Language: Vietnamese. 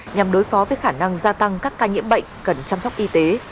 nhằm đối phó với khả năng gia tăng các ca nhiễm bệnh cần chăm sóc y tế